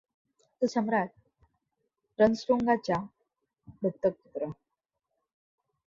तो सम्राट रन् त्सोंगाचा दत्तकपुत्र होता.